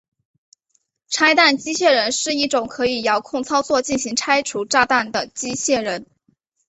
拆弹机械人是一种可以遥控操作进行拆除炸弹的机械人。